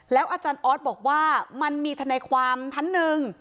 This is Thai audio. แล้วอาจารย์ออสบอกว่ามันมีธนาความทั้งหนึ่ง